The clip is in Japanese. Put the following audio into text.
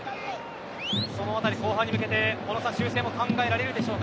このあたり、後半に向けて修正も考えられるでしょうか。